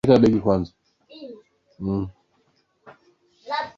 ika serikali ya umoja wa kitaifa